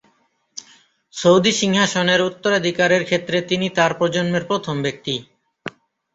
Saudi সিংহাসনের উত্তরাধিকারের ক্ষেত্রে তিনি তার প্রজন্মের প্রথম ব্যক্তি।